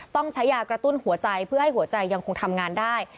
ต้องใช้ยากระตุ้นหัวใจเพื่อให้หัวใจยังคงทำงานได้